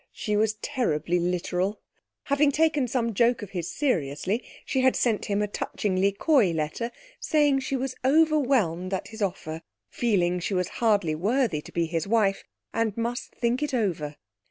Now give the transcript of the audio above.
She was terribly literal. Having taken some joke of his seriously, she had sent him a touchingly coy letter saying she was overwhelmed at his offer (feeling she was hardly worthy to be his wife) and must think it over.